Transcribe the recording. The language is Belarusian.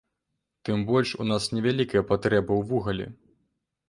Тым больш у нас невялікая патрэба ў вугалі.